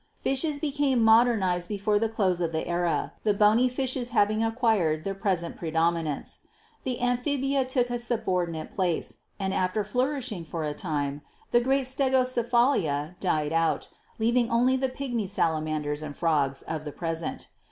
"Fishes became modernized before the close of the era, the Bony Fishes having acquired their present pre dominance. The Amphibia took a subordinate place, and after flourishing for a time, the great Stegocephalia died out, leaving only the pigmy salamanders and frogs of the present.